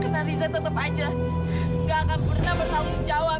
karena riza tetap saja tidak akan pernah bertanggung jawab